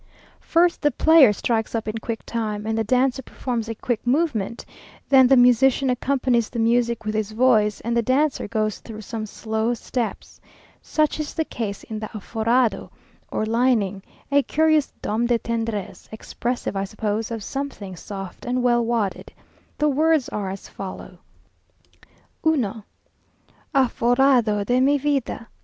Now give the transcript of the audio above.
First the player strikes up in quick time, and the dancer performs a quick movement; then the musician accompanies the music with his voice, and the dancer goes through some slow steps. Such is the case in the Aforrado or Lining, a curious nom de tendresse, expressive, I suppose, of something soft and well wadded. The words are as follow: 1. Aforrado de mi vida!